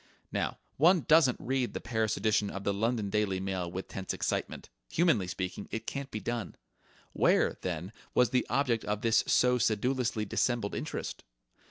Now one doesn't read the Paris edition of the London Daily Mail with tense excitement. Humanly speaking, it can't be done. Where, then, was the object of this so sedulously dissembled interest?